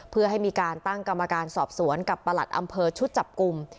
เพื่อให้มีการตั้งกรรมการสอบสวนกับประหลัดอำเภอชุดจับกลุ่ม